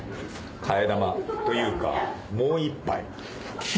替え玉というかもう一杯。